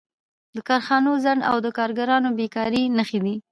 د کارخانو ځنډ او د کارګرانو بېکاري نښې دي